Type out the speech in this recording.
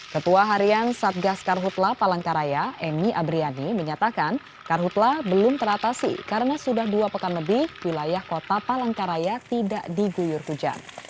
ketua harian satgas karhutla palangkaraya emi abriani menyatakan karhutlah belum teratasi karena sudah dua pekan lebih wilayah kota palangkaraya tidak diguyur hujan